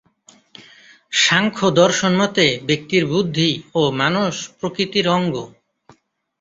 সাংখ্য দর্শনমতে ব্যক্তির বুদ্ধি ও মানস প্রকৃতির অঙ্গ।